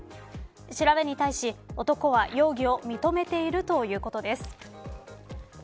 調べに対し、男は容疑を認めているということです。